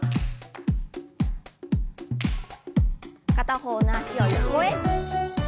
片方の脚を横へ。